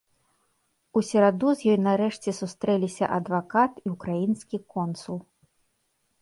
У сераду з ёй нарэшце сустрэліся адвакат і ўкраінскі консул.